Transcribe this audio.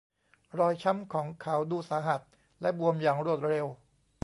รอยช้ำของเขาดูสาหัสและบวมอย่างรวดเร็ว